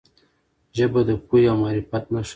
ژبه د پوهې او معرفت نښه ده.